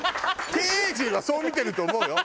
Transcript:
経営陣はそう見てると思うよ。